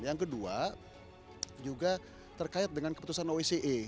yang kedua juga terkait dengan keputusan oeca